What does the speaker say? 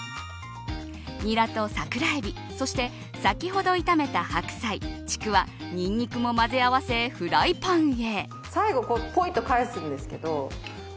ニラと桜エビそして先ほど炒めた白菜、ちくわニンニクも混ぜ合わせフライパンへ。